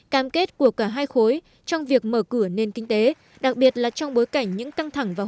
cam kết của cả hai khối trong việc mở cửa nền kinh tế đặc biệt là trong bối cảnh những căng thẳng và